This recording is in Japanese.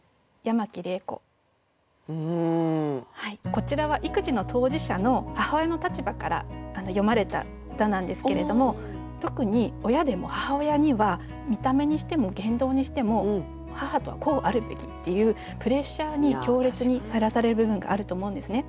こちらは育児の当事者の母親の立場から詠まれた歌なんですけれども特に親でも母親には見た目にしても言動にしても「母とはこうあるべき」っていうプレッシャーに強烈にさらされる部分があると思うんですね。